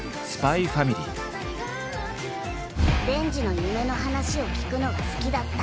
デンジの夢の話を聞くのが好きだった。